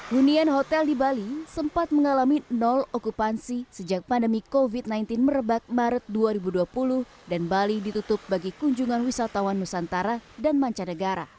hunian hotel di bali sempat mengalami nol okupansi sejak pandemi covid sembilan belas merebak maret dua ribu dua puluh dan bali ditutup bagi kunjungan wisatawan nusantara dan mancanegara